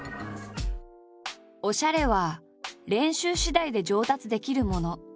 おしゃれは練習しだいで上達できるもの。